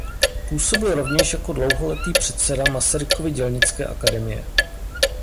Působil rovněž jako dlouholetý předseda Masarykovy dělnické akademie.